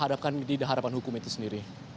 harapkan tidak harapan hukum itu sendiri